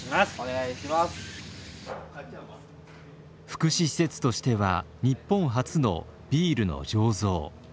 福祉施設としては日本初のビールの醸造。